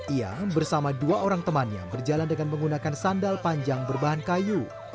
ia bersama dua orang temannya berjalan dengan menggunakan sandal panjang berbahan kayu